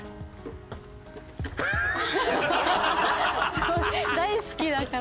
すごい大好きだから。